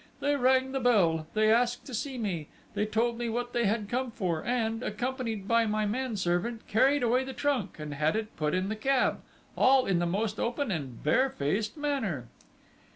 They rang the bell; they asked to see me; they told me what they had come for; and, accompanied by my manservant, carried away the trunk, and had it put on the cab all in the most open and bare faced manner!"